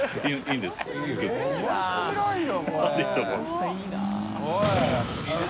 いいよ！